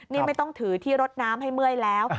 นี่ไม่ต้องถือที่รดน้ำให้เมื่อยแล้ว